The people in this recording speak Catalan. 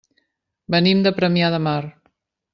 Venim de Premià de Mar.